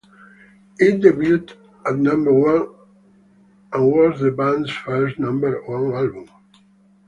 It debuted at number one and was the band's first number one album.